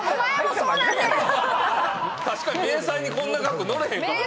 確かに明細にこんな額載れへんからね。